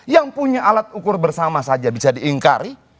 yang punya alat ukur bersama saja bisa diingkari